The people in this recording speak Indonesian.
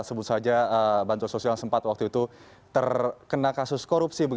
sebut saja bantuan sosial sempat waktu itu terkena kasus korupsi